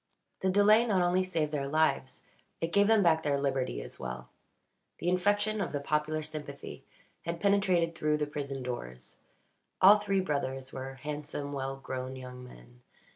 The delay not only saved their lives, it gave them back their liberty as well. The infection of the popular sympathy had penetrated through the prison doors. All three brothers were handsome, well grown young men.